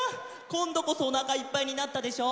こんどこそおなかいっぱいになったでしょ？